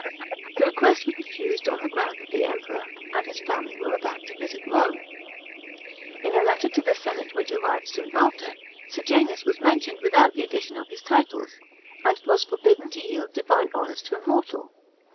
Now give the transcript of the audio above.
The request was reiusid, on the ground that the Emperor and his family were about to visit Rome. In a letter to the senate, which arrived soon after, " Sejanus " was mentioned without the addition of his titles, and it was forbidden to yield divine honours to a mortal.